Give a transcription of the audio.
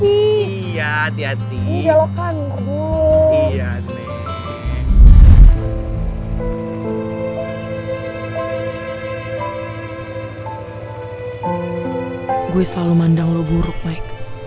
padahal lo gak ada yang ngerendahin aku